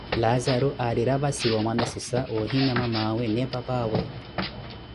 Laazaro aari rapasi wa mwanasisa, wa ohiina mamawe nne papaawe.